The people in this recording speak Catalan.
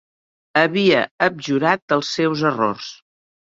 Havia abjurat dels seus errors.